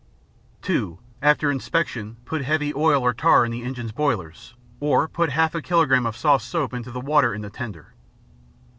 (2) After inspection put heavy oil or tar in the engines' boilers, or put half a kilogram of soft soap into the water in the tender.